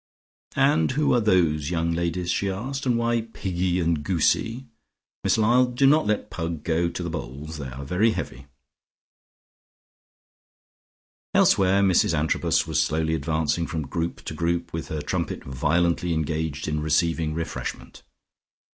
"And who are those young ladies?" she asked. "And why Piggy and Goosie? Miss Lyall, do not let Pug go to the bowls. They are very heavy." Elsewhere Mrs Antrobus was slowly advancing from group to group, with her trumpet violently engaged in receiving refreshment.